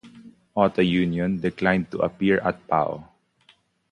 Auto Union declined to appear at Pau.